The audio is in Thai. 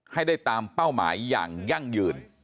ให้ได้ตามเป้าหมายอย่างยั่งยืน